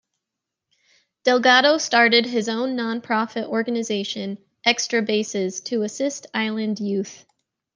Delgado started his own non-profit organization, "Extra Bases" to assist island youth.